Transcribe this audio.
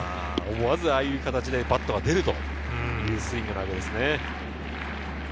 思わずああいう形でバットが出るというスイングなわけですね。